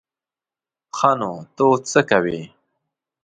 ښه نو ته اوس څه کوې؟